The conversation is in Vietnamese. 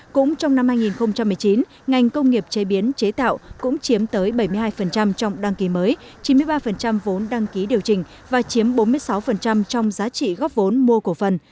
cũng trong năm hai nghìn một mươi chín ngành công nghiệp chế biến chế tạo cũng chiếm tới bảy mươi hai trong đăng ký mới chín mươi ba vốn đăng ký điều chỉnh và chiếm bốn mươi sáu trong giá trị góp vốn mua cổ phần